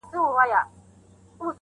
د قاضي مخ ته ولاړ وو لاس تړلى!.